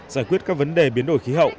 giải quyết các vấn đề biến đổi khí hậu